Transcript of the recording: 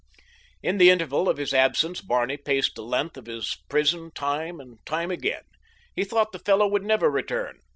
In the interval of his absence Barney paced the length of his prison time and time again. He thought the fellow would never return.